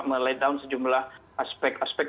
melet down sejumlah aspek aspek